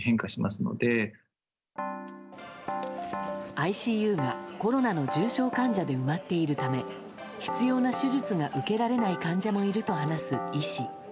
ＩＣＵがコロナの重症患者で埋まっているため必要な手術が受けられない患者もいると話す医師。